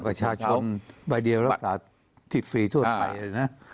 ประชาชนใบเดียวรักษาที่ฟรีทั่วไปนะ